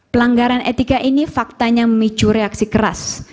pelanggaran etika ini faktanya memicu reaksi keras